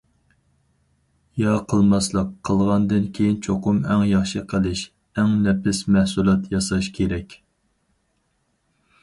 يا قىلماسلىق، قىلغاندىن كېيىن چوقۇم ئەڭ ياخشى قىلىش، ئەڭ نەپس مەھسۇلات ياساش كېرەك.